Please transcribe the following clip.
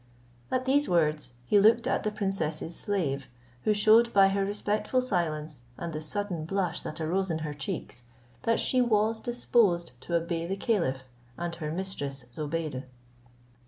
At these words he looked at the princess's slave, who shewed by her respectful silence, and the sudden blush that arose in her cheeks, that she was disposed to obey the caliph and her mistress Zobeide.